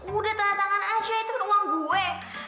udah tanda tangan aja itu uang gue